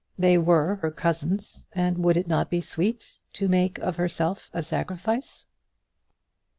They were her cousins, and would it not be sweet to make of herself a sacrifice?